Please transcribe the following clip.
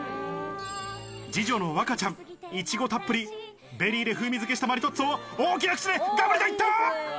二女の和花ちゃん、イチゴたっぷり、ベリーで風味づけしたマリトッツォを大きな口でガブリと行った！